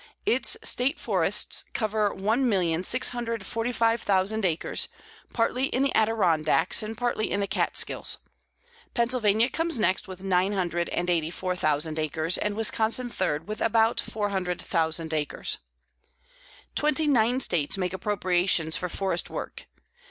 Its State Forests cover 1,645,000 acres, partly in the Adirondacks and partly in the Catskills; Pennsylvania comes next with nine hundred and eighty four thousand acres; and Wisconsin third, with about four hundred thousand acres. Twenty nine States make appropriations for forest work.